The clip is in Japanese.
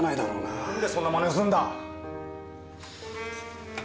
何でそんなマネをするんだ！？